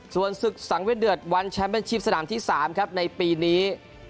ส่วนศึกสังเวียนเดือดวันแชมป์เป็นชิปสนามที่๓ครับในปีนี้